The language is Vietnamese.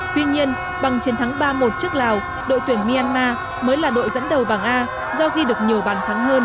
tuy nhiên bằng chiến thắng ba một trước lào đội tuyển myanmar mới là đội dẫn đầu bảng a do ghi được nhiều bàn thắng hơn